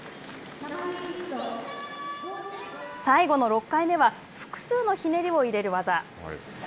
最後の６回目は複数のひねりを入れる技。